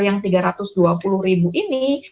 yang tiga ratus dua puluh ribu ini